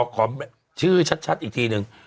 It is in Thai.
ขอชื่อชัดอีกทีนึง